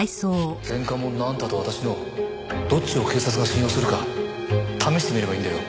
前科者のあんたと私のどっちを警察が信用するか試してみればいいんだよ。